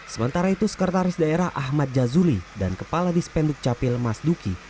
sementara itu sekretaris daerah ahmad jazuli dan kepala dispenduk capil mas duki